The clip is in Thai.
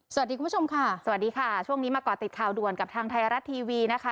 คุณผู้ชมค่ะสวัสดีค่ะช่วงนี้มาก่อติดข่าวด่วนกับทางไทยรัฐทีวีนะคะ